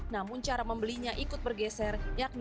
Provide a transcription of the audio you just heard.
namun cara membelinya ikut bergeser